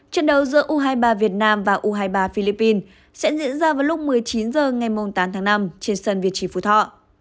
trận đấu giữa u hai mươi ba việt nam và u hai mươi ba philippines sẽ diễn ra vào lúc một mươi chín h ngày tám tháng năm trên sân việt trì phú thọ